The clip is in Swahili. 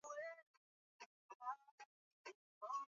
Mapele huwa na mashimo yenye vidonda kwa ngombe